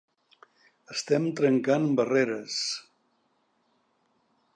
Estem trencant barreres.